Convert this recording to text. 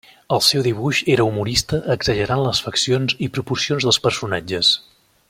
El seu dibuix era humorista exagerant les faccions i proporcions dels personatges.